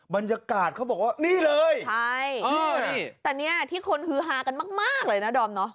บรรยากาศเขาบอกว่านี่เลยใช่แต่เนี่ยที่คนฮือฮากันมากเลยนะดอมเนอะ